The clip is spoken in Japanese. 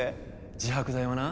自白剤はな